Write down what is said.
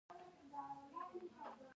په افغانستان کې ښارونه ډېر اهمیت لري.